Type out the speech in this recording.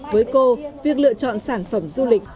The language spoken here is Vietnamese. với cô việc lựa chọn sản phẩm du lịch